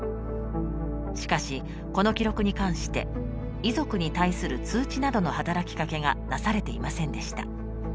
しかしこの記録に関して遺族に対する通知などの働きかけがなされていませんでした。